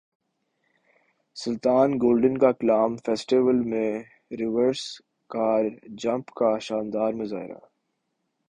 سلطان golden کا Kalam festival میں reverse car jump کا شاندار مظاہرہ